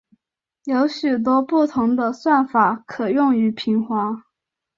有许多不同的算法可用于平滑。